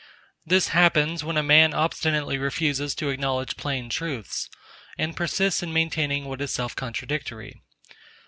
This happens when a man obstinately refuses to acknowledge plain truths, and persists in maintaining what is self contradictory.